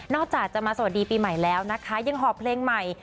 จากจะมาสวัสดีปีใหม่แล้วนะคะยังหอบเพลงใหม่